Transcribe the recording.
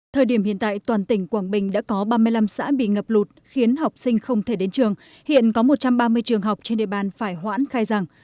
thời điểm hiện tại toàn tỉnh quảng bình đã có ba mươi năm xã bị ngập lụt khiến học sinh không thể đến trường hiện có một trăm ba mươi trường học trên địa bàn phải hoãn khai giảng